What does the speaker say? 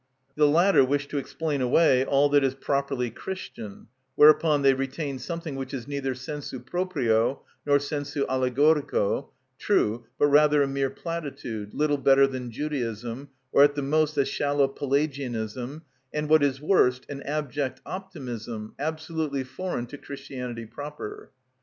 The latter wish to explain away all that is properly Christian; whereupon they retain something which is neither sensu proprio nor sensu allegorico true, but rather a mere platitude, little better than Judaism, or at the most a shallow Pelagianism, and, what is worst, an abject optimism, absolutely foreign to Christianity proper.